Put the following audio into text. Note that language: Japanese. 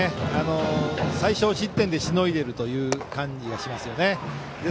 最少失点でしのいでいるという感じがしますね。